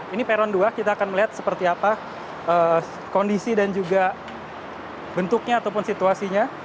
ini peron dua kita akan melihat seperti apa kondisi dan juga bentuknya ataupun situasinya